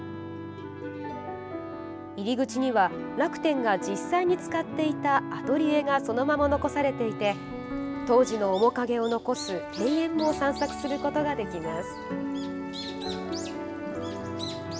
入り口には楽天が実際に使っていたアトリエがそのまま残されていて当時の面影を残す庭園も散策することができます。